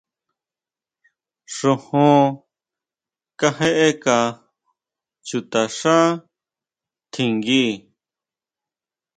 Xojón kajeʼeka chutaxá tjinguí.